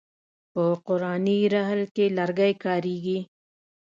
په قرآني رحل کې لرګی کاریږي.